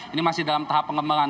ini masih dalam tahap pengembangan